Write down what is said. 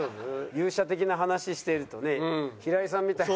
勇者的な話しているとね平井さんみたいに。